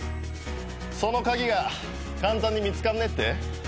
その鍵が簡単に見つかんねえって？